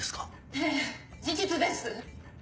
ええ事実です。